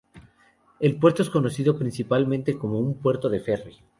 El puerto es conocido principalmente como un puerto de ferry.